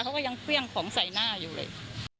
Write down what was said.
เขาก็ยังเครื่องของใส่หน้าอยู่เลย